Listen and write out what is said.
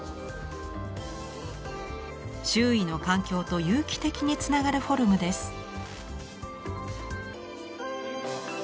周囲の環境と有機的につながるフォルムです。